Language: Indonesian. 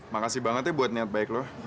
makasih banget ya buat niat baik lo